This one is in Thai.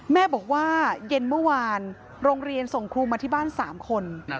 แม่บอกว่าเย็นเมื่อวานโรงเรียนส่งครูมาที่บ้าน๓คน